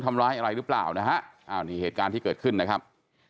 ทำร้ายอะไรหรือเปล่านะฮะอ้าวนี่เหตุการณ์ที่เกิดขึ้นนะครับ